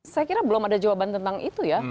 saya kira belum ada jawaban tentang itu ya